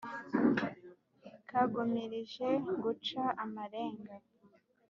kagumirije guca amarenga,